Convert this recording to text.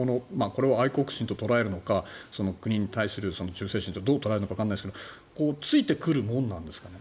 これは愛国心と捉えるのか国に対する忠誠心とかどう捉えるのかわからないですがついてくるものなんですか？